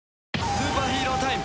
スーパーヒーロータイム。